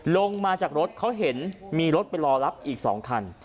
ลงมาจากรถเขาเห็นมีรถไปรอรับอีก๒คัน